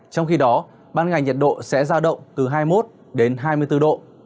trong khi đó ban ngày nhiệt độ sẽ ra động từ hai mươi một đến hai mươi bốn độ